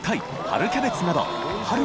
春キャベツなど佞椶